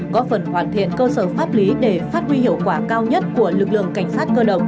có phần hoàn thiện cơ sở pháp lý để phát huy hiệu quả cao nhất của lực lượng cảnh sát cơ động